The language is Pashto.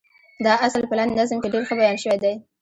دا اصل په لاندې نظم کې ډېر ښه بيان شوی دی.